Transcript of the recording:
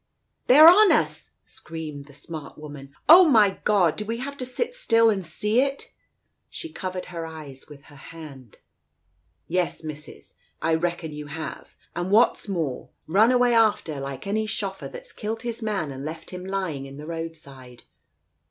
•.. "They're on us !" screamed the smart woman. "Oh, my God ! Do we have to sit still and see it ?" She covered her eyes with her hand. "Yes, Missus, I reckon you have, and what's more, run away after like any shoffer that's killed his man and left Digitized by Google 142 TALES OF THE UNEASY him lying in the roadside.